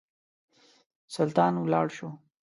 سلطان ولاړ شو.